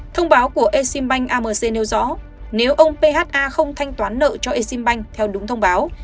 thông báo của eximbank amc nêu rõ nếu ông pha không thanh toán nợ cho eximbank theo đúng thông báo